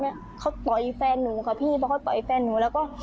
เนี้ยเขาต่อยแฟนหนูค่ะพี่เพราะเขาต่อยแฟนหนูแล้วก็